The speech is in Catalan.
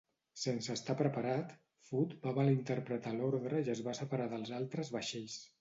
Sense estar preparat, "Foote" va malinterpretar l'ordre i es va separar dels altres vaixells.